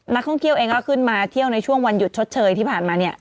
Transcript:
นักท่องเที่ยวเองก็ขึ้นมาเที่ยวในช่วงวันหยุดชดเชยที่ผ่านมาเนี่ย